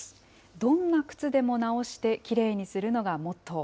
どんな靴でも直してきれいにするのがモットー。